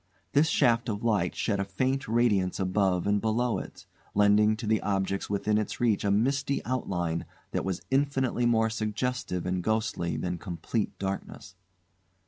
This shaft of light shed a faint radiance above and below it, lending to the objects within its reach a misty outline that was infinitely more suggestive and ghostly than complete darkness.